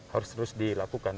harus terus dilakukan